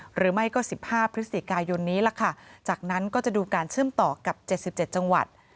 หรือไม่ก็๑๕พฤศจิกายนนี้ล่ะค่ะจากนั้นก็จะดูการเชื่อมต่อกับ๗๗จังหวัด